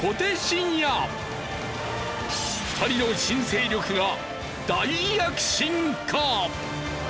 ２人の新勢力が大躍進か！？